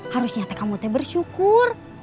harusnya kamu tuh bersyukur